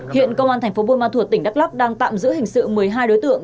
hiện công an tp buôn ma thuột tỉnh đắk lắk đang tạm giữ hình sự một mươi hai đối tượng